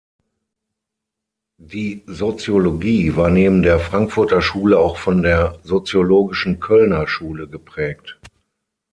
Die Soziologie war neben der Frankfurter Schule auch von der soziologischen Kölner Schule geprägt.